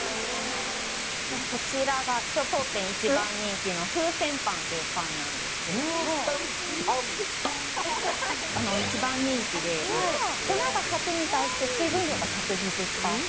こちらが当店一番人気の風船パンというパンなんですけど一番人気で、粉が１００に対して水分量が１２０％。